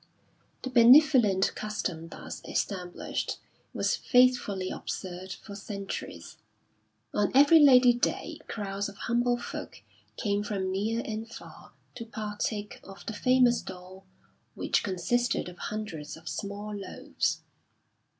The benevolent custom thus established was faithfully observed for centuries. On every Lady Day crowds of humble folk came from near and far to partake of the famous dole which consisted of hundreds of small loaves.